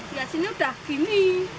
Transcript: lihat sini udah gini